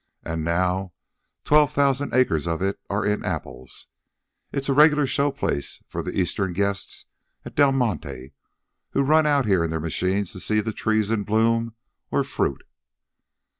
And now twelve thousand acres of it are in apples. It's a regular show place for the Eastern guests at Del Monte, who run out here in their machines to see the trees in bloom or fruit.